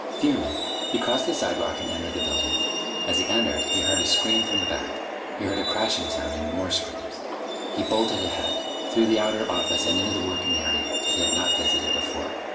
Fuming, he crossed the sidewalk and entered the building. As he entered, he heard a scream from the back. He heard a crashing sound and more screams. He bolted ahead, through the outer office and into the working area he had not visited before.